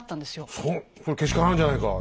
それはけしからんじゃないか。